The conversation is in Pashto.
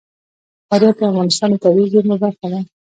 فاریاب د افغانستان د طبیعي زیرمو برخه ده.